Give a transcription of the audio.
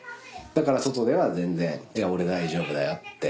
だから外では「全然俺大丈夫だよ」って。